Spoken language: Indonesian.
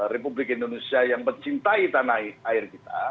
republik indonesia yang mencintai tanah air kita